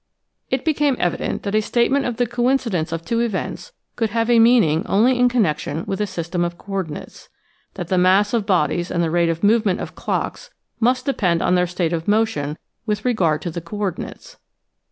It became evident that a statement of the coincidence of two events could have a meaning only in connection with a system of coordinates, that the mass of bodies and the rate of movement of clocks must depend on their state of motion with regard to the coordinates.